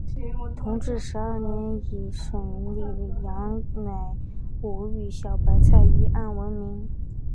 同治十二年以审理杨乃武与小白菜一案闻名。